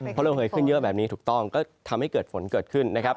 พอระเหยขึ้นเยอะแบบนี้ถูกต้องก็ทำให้เกิดฝนเกิดขึ้นนะครับ